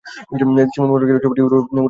Simon Moore বলেন ছবিটি ইউরোপে মোটামুটি ব্যবসা করে।